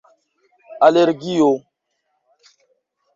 alergio